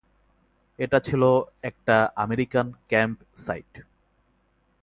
এটা ছিল একটা আমেরিকান ক্যাম্প সাইট।